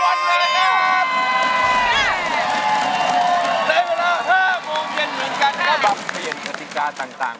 เต็มเวลา๕โมงเย็นเหมือนกันนะครับ